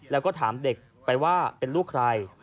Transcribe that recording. แล้วก็ถามเด็กไปว่าเป็นลูกใคร